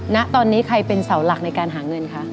ณตอนนี้ใครเป็นเสาหลักในการหาเงินคะ